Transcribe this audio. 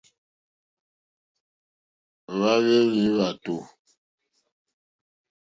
Hwáhwɛ̂hwɛ́ hwàtò.